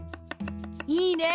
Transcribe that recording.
いいね！